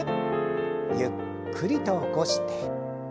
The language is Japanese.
ゆっくりと起こして。